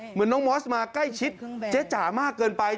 เหมือนน้องมอสมาใกล้ชิดเจ๊จ๋ามากเกินไป